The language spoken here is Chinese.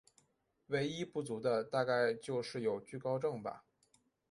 唯一不足的大概就是有惧高症吧。